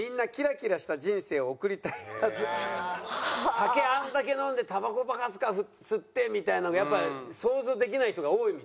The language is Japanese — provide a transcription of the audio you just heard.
酒あんだけ飲んでたばこバカスカ吸ってみたいのがやっぱり想像できない人が多いみたいよ。